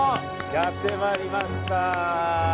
やってまいりました。